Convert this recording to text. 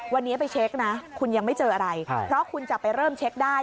วันนี้ไปเช็คนะคุณยังไม่เจออะไรเพราะคุณจะไปเริ่มเช็คได้